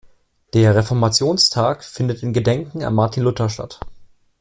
Der Reformationstag findet in Gedenken an Martin Luther statt.